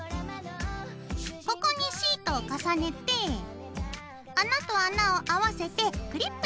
ここにシートを重ねて穴と穴を合わせてクリップでとめよう。